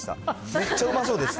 めっちゃうまそうでした。